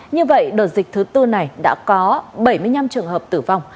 như vậy đợt dịch thứ tư này đã có bảy mươi năm trường hợp tử vong